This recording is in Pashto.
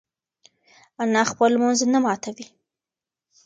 انا خپل لمونځ نه ماتوي.